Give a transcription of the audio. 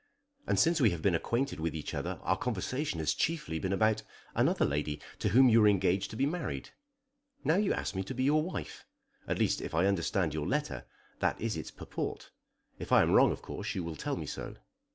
And since we have been acquainted with each other our conversation has chiefly been about another lady to whom you were engaged to be married. Now you ask me to be your wife; at least, if I understand your letter, that is its purport. If I am wrong, of course you will tell me so.